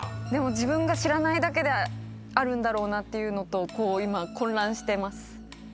自分が知らないだけであるんだろうなっていうのとこう今混乱してます。